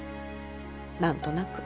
何となく。